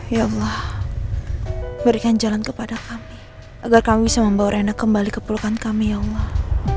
ya allah berikan jalan kepada kami agar kami bisa membawa rena kembali ke pelukan kami ya allah